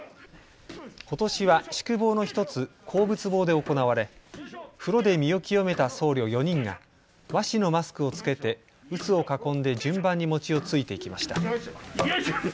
ことしは宿坊の１つ、向佛坊で行われ風呂で身を清めた僧侶４人が和紙のマスクを着けて臼を囲んで順番に餅をついていきました。